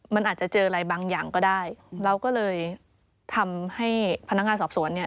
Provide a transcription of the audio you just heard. มันอาจจะเจออะไรบางอย่างก็ได้เราก็เลยทำให้พนักงานสอบสวนเนี่ย